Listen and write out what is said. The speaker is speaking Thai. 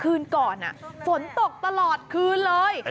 คืนก่อนฝนตกตลอดคืนเลย